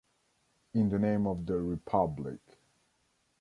In the name of the Republic.